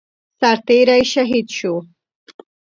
سرتيری شهید شو